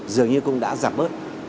dường như cũng đã giảm bớt